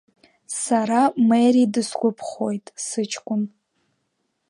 Сара Мери дысгәаԥхоит, сыҷкәын.